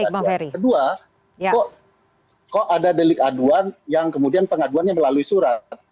kedua kok ada delik aduan yang kemudian pengaduannya melalui surat